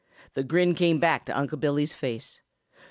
The grin came back to Unc' Billy's face.